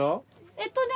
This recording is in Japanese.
えっとね